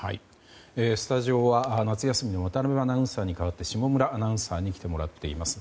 スタジオは夏休みの渡辺アナウンサーに代わって下村アナウンサーに来てもらっています。